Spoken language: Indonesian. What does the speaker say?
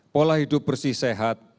pola hidup bersih sehat